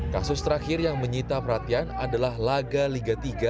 kasus terakhir yang menyita perhatian adalah laga liga tiga